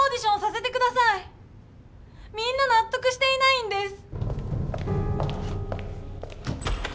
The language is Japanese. みんななっとくしていないんです！